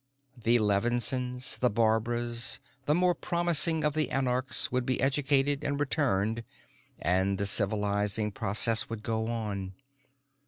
The Levinsohns, the Barbaras, the more promising of the anarchs would be educated and returned and the civilizing process would go on.